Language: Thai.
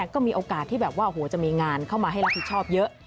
ก็มีโอกาสที่แบบว่าจะมีงานเข้ามาให้รับผิดชอบเยอะ